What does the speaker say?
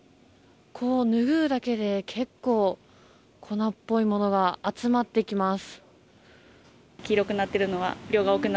拭うだけで結構粉っぽいものが集まってきます。